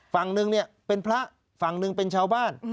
ฝั่งหนึ่งเนี่ยเป็นพระฝั่งหนึ่งเป็นชาวบ้าน